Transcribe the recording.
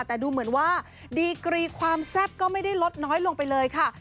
แต่ดูเหมือนว่าดีกรีความแซ่บก็ไม่ได้ลดน้อยลงไปเลยค่ะ